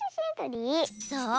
そう。